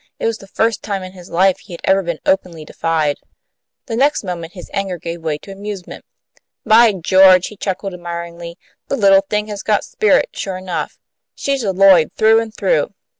It was the first time in his life he had ever been openly defied. The next moment his anger gave way to amusement. "By George!" he chuckled, admiringly. "The little thing has got spirit, sure enough. She's a Lloyd through and through.